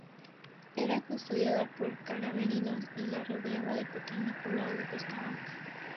Era custodiada por carabineros y la rodeaba un pequeño poblado de pescadores.